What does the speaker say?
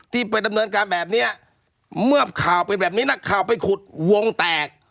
ที่ไปดำเนินการแบบนี้เมื่อข่าวเป็นแบบนี้นักข่าวไปขุดวงแตก